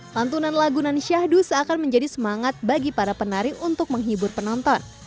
lantunan lagunan syahdu seakan menjadi semangat bagi para penari untuk menghibur penonton